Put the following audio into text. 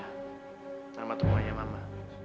nama rumahnya mama